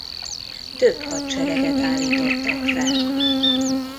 Több hadsereget állítottak fel.